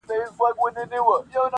خون د کومي پېغلي دي په غاړه سو آسمانه-